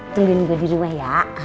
tungguin gue di rumah ya